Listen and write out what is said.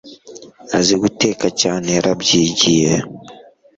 azi guteka cyane yarabyigiye